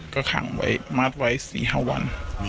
ก็ขังไว้มัดไว้๔๕วัน